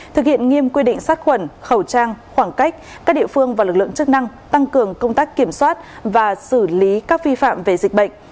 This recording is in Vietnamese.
thực hiện nghiêm quy định sát khuẩn khẩu trang khoảng cách các địa phương và lực lượng chức năng tăng cường công tác kiểm soát và xử lý các vi phạm về dịch bệnh